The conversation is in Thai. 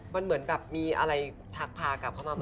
มันเหมือนแบบมีอะไรพากลับเข้ามาเหมือนเดิม